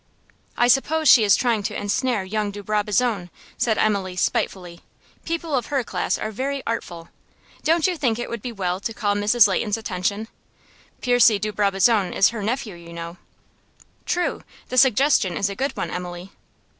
"I suppose she is trying to ensnare young de Brabazon," said Emily, spitefully. "People of her class are very artful. Don't you think it would be well to call Mrs. Leighton's attention? Percy de Brabazon is her nephew, you know." "True. The suggestion is a good one, Emily."